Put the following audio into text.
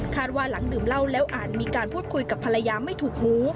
ว่าหลังดื่มเหล้าแล้วอาจมีการพูดคุยกับภรรยาไม่ถูกหู